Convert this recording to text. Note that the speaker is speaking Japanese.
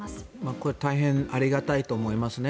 これ大変ありがたいと思いますね。